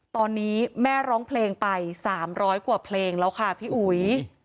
ตอนนี้แม่ร้องเพลงไป๓๐๐กว่าเพลงแล้วค่ะพี่อุ๋ย